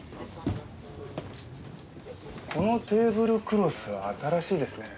このテーブルクロス新しいですね。